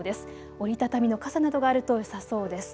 折り畳みの傘などがあるとよさそうです。